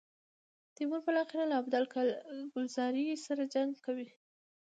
تیمور بالاخره له ابدال کلزايي سره جنګ کوي.